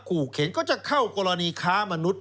ขู่เข็นก็จะเข้ากรณีค้ามนุษย